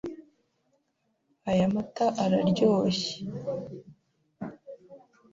Aya mata araryoshye.